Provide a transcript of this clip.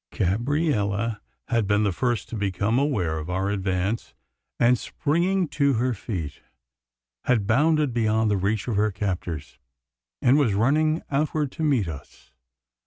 Gabriella had been the first to become aware of our advance; and, springing to her feet, had bounded beyond the reach of her captors, and was running outward to meet us.